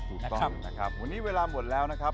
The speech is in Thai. ถูกต้องนะครับวันนี้เวลาหมดแล้วนะครับ